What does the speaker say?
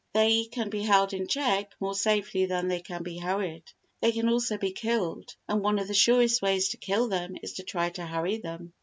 They can be held in check more safely than they can be hurried. They can also be killed; and one of the surest ways to kill them is to try to hurry them.